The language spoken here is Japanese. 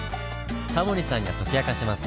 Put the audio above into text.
タモリさんが解き明かします。